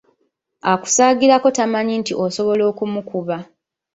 Akusaagirako tamanyi nti osobola okumukuba.